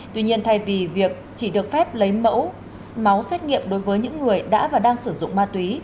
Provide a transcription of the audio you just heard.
tuy nhiên thay vì việc chỉ được phép lấy mẫu máu xét nghiệm đối với những người đã và đang sử dụng ma túy